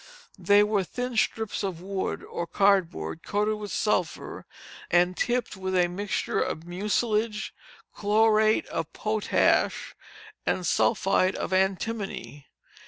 They were thin strips of wood or cardboard coated with sulphur and tipped with a mixture of mucilage, chlorate of potash, and sulphide of antimony.